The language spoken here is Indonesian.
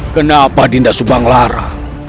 kenapa dinda subang lara